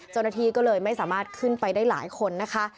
เจ้าหน้าที่ก็เลยไม่สามารถขึ้นไปได้หลายคนนะคะ